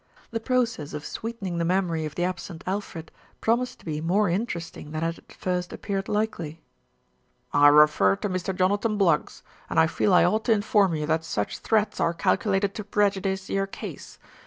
The process of sweetening the memory of the absent Alfred promised to be more interesting than had at first ap peared likely. "I refer to Mr. Jonathan Bluggs, and I feel I ought to inform you that such threats are calculated to preju dice your case.